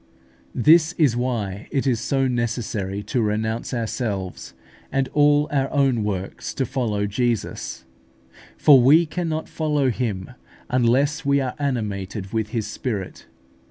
This is why it is so necessary to renounce ourselves and all our own works to follow Jesus; for we cannot follow Him unless we are animated with His Spirit.